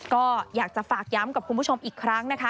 ก็อยากจะฝากย้ำกับคุณผู้ชมอีกครั้งนะคะ